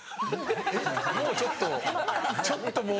もうちょっとちょっともう。